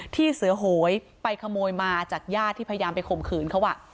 ที่เสือโหยไปขโมยมาจากญาติที่พยายามไปข่มขืนเขา